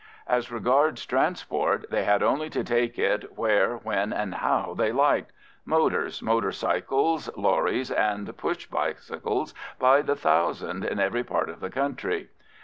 As regards transport, they had only to take it where, when, and how they liked—motors, motor bicycles, lorries, and push bicycles by the thousand in every part of the country.